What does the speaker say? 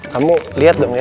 kamu lihat dong ya